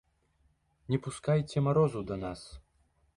Не пускайце марозу да нас!